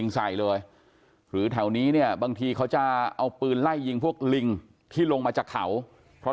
ใส่เลยหรือแถวนี้เนี่ยบางทีเขาจะเอาปืนไล่ยิงพวกลิงที่ลงมาจากเขาเพราะ